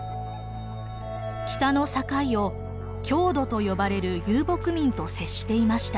北の境を匈奴と呼ばれる遊牧民と接していました。